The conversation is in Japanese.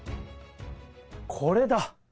これだ。